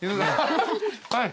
はい。